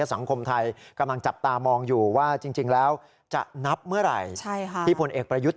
สังคมไทยกำลังจับตามองอยู่ว่าจริงแล้วจะนับเมื่อไหร่ที่ผลเอกประยุทธ์